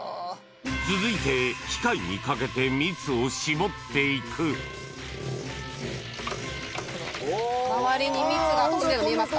続いて機械にかけて蜜を搾っていく周りに蜜が飛んでるの見えますか？